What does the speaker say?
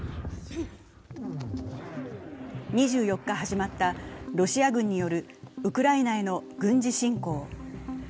２４日始まったロシア軍によるウクライナへの軍事侵攻。